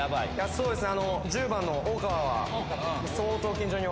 そうですね。